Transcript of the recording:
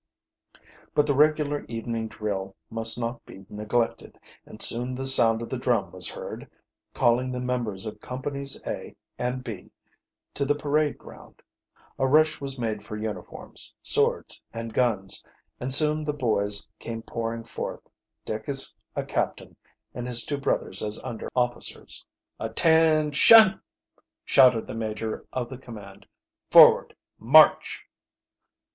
But the regular evening drill must not be neglected, and soon the sound of the drum was heard, calling the members of companies A and B to the parade ground. A rush was made for uniforms, swords, and guns, and soon the boys come pouring forth, Dick as a captain, and his two brothers as under officers. "Attention!" shouted the major of the command. "Forward! march!"